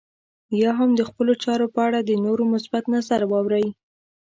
يا هم د خپلو چارو په اړه د نورو مثبت نظر واورئ.